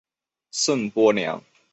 圣波良。